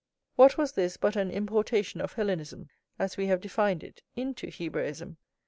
What was this but an importation of Hellenism, as we have defined it, into Hebraism?